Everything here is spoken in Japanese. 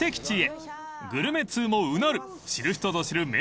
［グルメ通もうなる知る人ぞ知る名店が待っています］